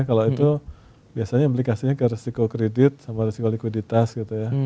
kalau itu biasanya implikasinya ke resiko kredit sama resiko likuiditas gitu ya